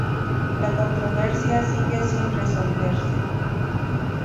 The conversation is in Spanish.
La controversia sigue sin resolverse.